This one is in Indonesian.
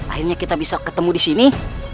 akhirnya kita bisa ketemu disini